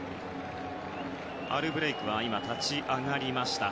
アルブレイクは立ち上がりました。